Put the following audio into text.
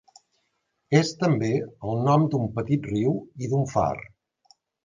És també el nom d'un petit riu i d'un far.